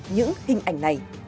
những hình ảnh này